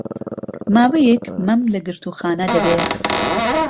ماوەیەک مەم لە گرتووخانە دەبێ